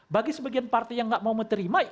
bagi sebagian partai yang gak mau menerima